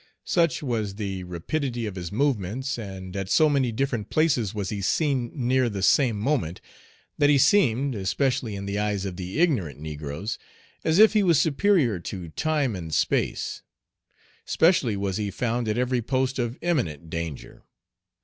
Such was the rapidity of his movements, and at so many different places was he seen near the same moment, that he seemed, especially in the eyes of the ignorant negroes, as if he was superior to time and space. Specially was he found at every post of imminent danger.